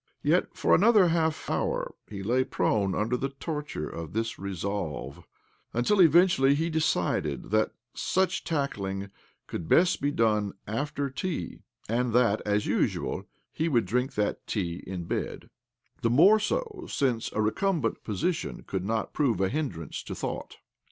Yet for another half hour he lay prone under the torture of this resolve ; until eventually he decided that such tackling could best be done after tea, and that, as usual, he would drink that tea in bed — the more so since a recumbent OBLOMOV 15 position could not prove a hindrance to thought.